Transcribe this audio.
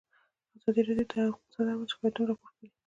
ازادي راډیو د اقتصاد اړوند شکایتونه راپور کړي.